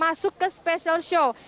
masuk ke spesial show